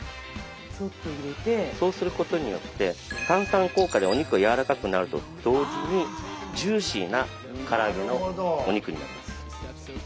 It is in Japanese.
そうすることによって炭酸効果でお肉がやわらかくなると同時にジューシーなから揚げのお肉になります。